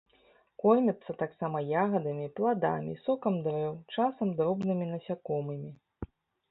Кормяцца таксама ягадамі, пладамі, сокам дрэў, часам дробнымі насякомымі.